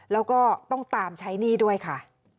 แล้วก็ต้องตามใช้หนี้ด้วยค่ะ